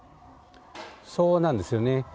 そうなんですよね。